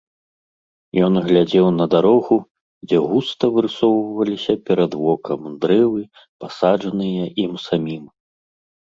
Ён глядзеў на дарогу, дзе густа вырысоўваліся перад вокам дрэвы, пасаджаныя ім самім.